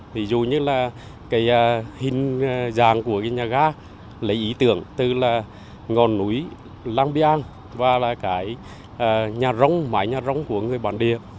ví dụ như là hình dàng của nhà gà lấy ý tưởng từ ngọn núi lang biang và mái nhà rong của người bản điều